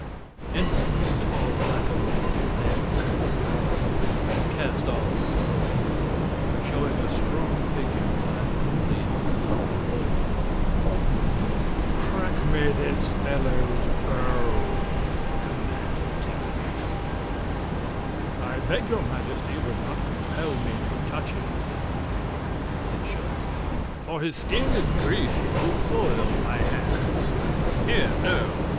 Instantly a tall blackamoor advanced from the throng and cast off his flowing robe, showing a strong figure clad only in a silver loincloth. "Crack me this fellow's bones!" commanded Terribus. "I beg your Majesty will not compel me to touch him," said Prince Marvel, with a slight shudder; "for his skin is greasy, and will soil my hands. Here, Nerle!"